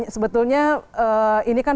sebetulnya ini kan